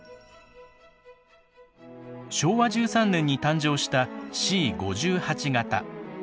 昭和１３年に誕生したＣ５８形。